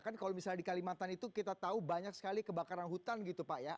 kan kalau misalnya di kalimantan itu kita tahu banyak sekali kebakaran hutan gitu pak ya